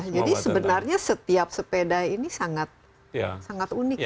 jadi sebenarnya setiap sepeda ini sangat unik ya